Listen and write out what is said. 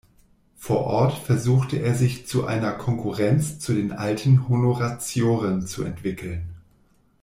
Vor Ort versuchte er sich zu einer Konkurrenz zu den alten Honoratioren zu entwickeln.